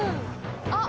あっ！